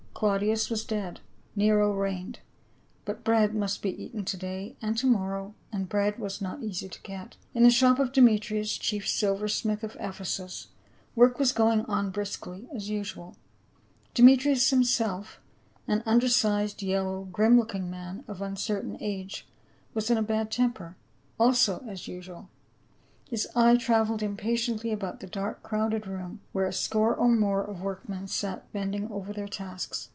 Claudius was dead ; Nero reigned ; but bread must be eaten to day and to morrow, and bread was not easy to get. In the shop of Demetrius, chief silver smith of Ephe sus, work was going on briskly, as usual ; Demetrius himself, an undersized, yellow, grim looking man of uncertain age was in a bad temper — also as usual ; his eye traveled impatiently about the dark crowded room where a score or more of workmen sat bending over their tasks.